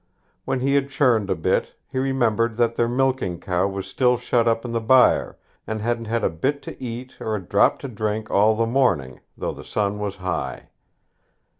When he had churned a bit, he remembered that their milking cow was still shut up in the byre, and hadn't had a bit to eat or a drop to drink all the morning, though the sun was high.